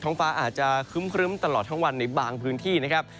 ฟ้าอาจจะครึ้มตลอดทั้งวันในบางพื้นที่นะครับ